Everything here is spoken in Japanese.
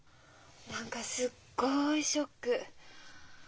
何かすっごいショック。